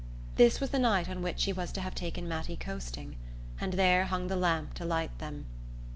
This was the night on which he was to have taken Mattie coasting, and there hung the lamp to light them!